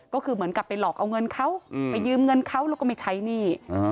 ก็คือเหมือนกับไปหลอกเอาเงินเขาไปยืมเงินเขาแล้วก็ไม่ใช้หนี้